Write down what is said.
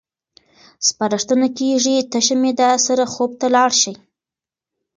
سپارښتنه کېږي تشه معده سره خوب ته لاړ شئ.